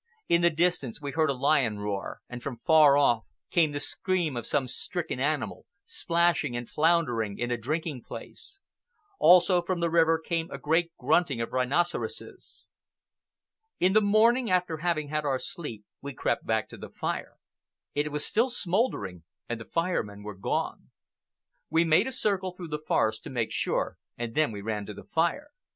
In the distance we heard a lion roar, and from far off came the scream of some stricken animal, splashing and floundering in a drinking place. Also, from the river, came a great grunting of rhinoceroses. In the morning, after having had our sleep, we crept back to the fire. It was still smouldering, and the Fire Men were gone. We made a circle through the forest to make sure, and then we ran to the fire.